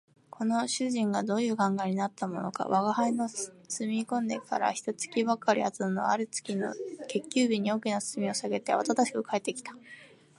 この主人がどういう考えになったものか吾輩の住み込んでから一月ばかり後のある月の月給日に、大きな包みを提げてあわただしく帰って来た